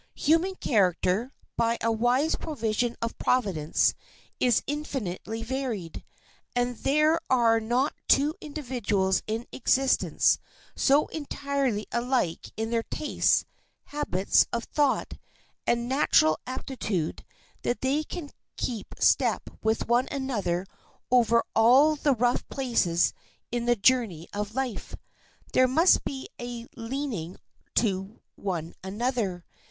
Human character, by a wise provision of Providence, is infinitely varied, and there are not two individuals in existence so entirely alike in their tastes, habits of thought, and natural aptitude that they can keep step with one another over all the rough places in the journey of life. There must be a leaning to one another.